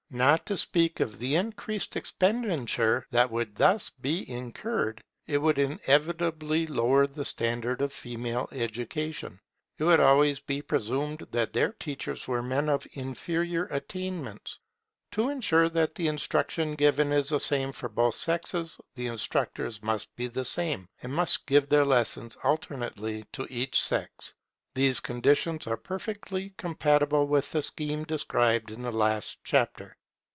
Not to speak of the increased expenditure that would thus be incurred, it would inevitably lower the standard of female education. It would always be presumed that their teachers were men of inferior attainments. To ensure that the instruction given is the same for both sexes, the instructors must be the same, and must give their lectures alternately to each sex. These conditions are perfectly compatible with the scheme described in the last chapter.